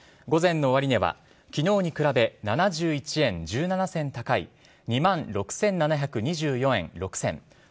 午前の終値は昨日に比べ７１円１７銭高い２万６７２４円６銭。